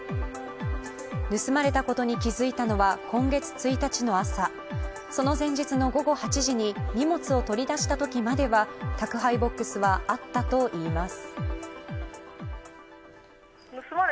盗まれたことに気付いたのは今月１日の朝その前日の午後８時に荷物を取り出したときまでは宅配ボックスはあったといいます。